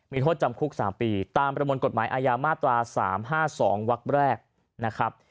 มีโทษจำคุก๓ปีตามประมวลกฎหมายอาญามาตรา๓๕๒วักแรกนะครับ